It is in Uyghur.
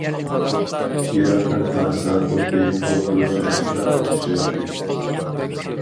يىراقتىن قارىسا خۇددى فوتو سۈرەتكىلا ئوخشايتتى.